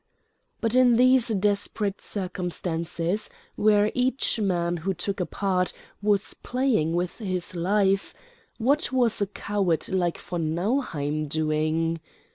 But in these desperate circumstances, where each man who took a part was playing with his life, what was a coward like von Nauheim doing?